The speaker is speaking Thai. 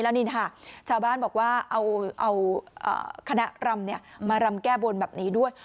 แล้วนี่นะคะชาวบ้านบอกว่าเอาคณะรำเนี่ยมารำแก้บนแบบนี้ด้วย